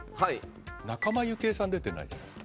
仲間由紀恵さん出てないじゃないですか。